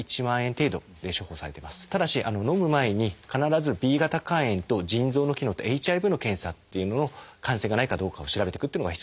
ただしのむ前に必ずＢ型肝炎と腎臓の機能とＨＩＶの検査っていうのを感染がないかどうかを調べてくっていうのが必要になってきます。